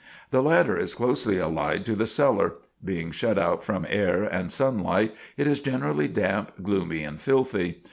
The latter is closely allied to the cellar; being shut out from air and sunlight, it is generally damp, gloomy, and filthy.